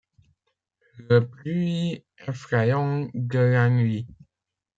Le bruit effrayant de la nuit